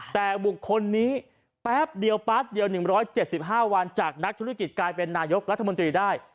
แต่บุคคลนี้แป๊บเดียวแป๊บเดียว๑๗๕วันจากนักธุรกิจกลายเป็นนายกรัฐมนตรีได้